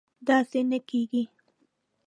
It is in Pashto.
داسې نه کېږي